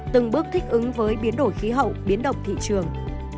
từng bước thích ứng với biến đổi khí hậu biến động thị trường